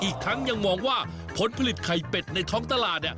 อีกทั้งยังมองว่าผลผลิตไข่เป็ดในท้องตลาด